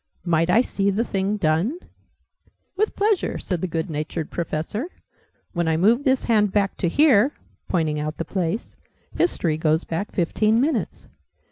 Might I see the thing done?" "With pleasure!" said the good natured Professor. "When I move this hand back to here," pointing out the place, "History goes back fifteen minutes!"